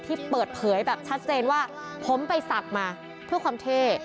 ที่เปิดเผยแบบชัดเจนว่าผมไปศักดิ์มาเพื่อความเท่